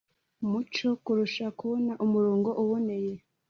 umuco wo kurufasha kubona umurongo uboneye